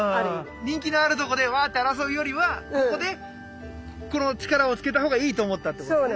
人気のあるとこでわっと争うよりはここでこの力をつけた方がいいと思ったってことですね。